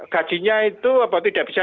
gajinya itu tidak bisa